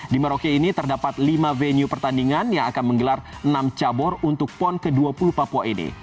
di merauke ini terdapat lima venue pertandingan yang akan menggelar enam cabur untuk pon ke dua puluh papua ini